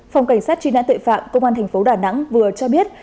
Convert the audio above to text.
phòng cảnh sát truy nã tội phạm công an thành phố đà nẵng vừa cho biết